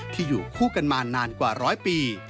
อยู่คู่กันมานานกว่าร้อยปี